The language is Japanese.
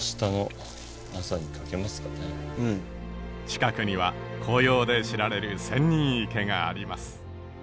近くには紅葉で知られる仙人池があります。